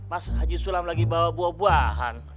pas haji sulam lagi bawa buah buahan